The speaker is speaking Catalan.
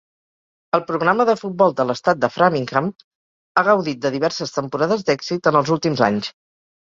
El programa de futbol de l'estat de Framingham ha gaudit de diverses temporades d'èxit en els últims anys.